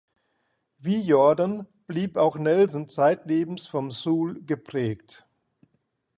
Wie Jordan blieb auch Nelson zeitlebens vom Soul geprägt.